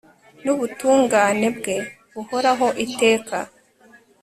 n'ubutungane bwe buhoraho iteka